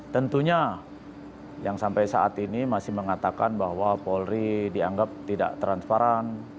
tentunya yang sampai saat ini masih mengatakan bahwa polri dianggap tidak transparan